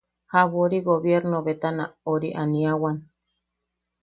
Jabori gobiernobetana ori aniawan.